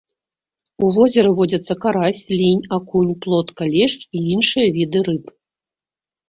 У возеры водзяцца карась, лінь, акунь, плотка, лешч і іншыя віды рыб.